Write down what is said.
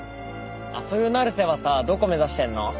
そういう成瀬はさどこ目指してんの？